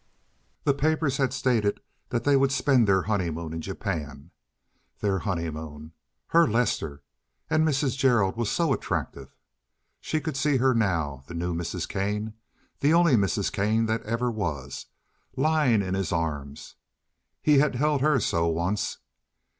The papers had stated that they would spend their honeymoon in Japan. Their honeymoon! Her Lester! And Mrs. Gerald was so attractive. She could see her now—the new Mrs. Kane—the only Mrs. Kane that ever was, lying in his arms. He had held her so once.